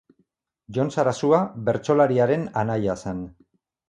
Jon Sarasua bertsolariaren anaia zen.